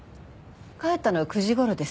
帰ったのは９時頃です。